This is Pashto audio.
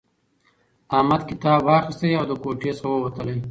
احمد کتاب واخیستی او له کوټې څخه ووتلی.